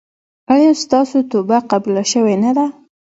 ایا ستاسو توبه قبوله شوې نه ده؟